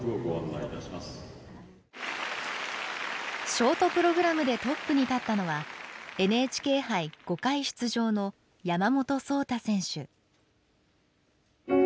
ショートプログラムでトップに立ったのはＮＨＫ杯５回出場の山本草太選手。